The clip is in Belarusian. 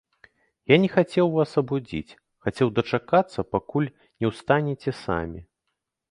Я не хацеў вас абудзіць, хацеў дачакацца, пакуль не ўстанеце самі.